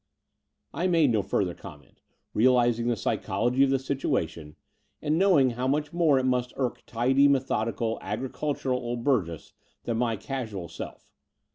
I made no further comment, realizing the psychology of the situation and knowing how much more it must irk tidy, methodical, agricultural old Burgess than my casual self.